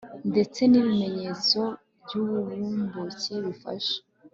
ndetse n ibimenyetso by uburumbuke bifasha